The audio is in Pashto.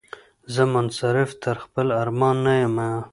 زه منصرف تر خپل ارمان نه یمه